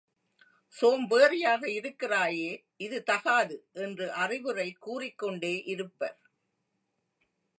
சோம்பேறியாக இருக்கிறாயே இது தகாது என்று அறிவுரை கூறிக் கொண்டே இருப்பர்.